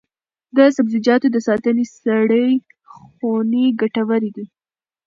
د سبزیجاتو د ساتنې سړې خونې ګټورې دي.